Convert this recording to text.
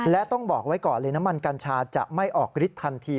และต้องบอกไว้ก่อนเลยน้ำมันกัญชาจะไม่ออกฤทธิทันที